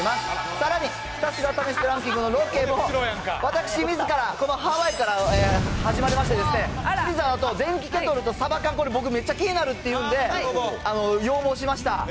さらに、ひたすら試してランキングのロケも、私みずからこのハワイから始まりまして、清水アナと、電気ケトルとサバ缶、これ、僕めっちゃ気になるっていうんで要望しました。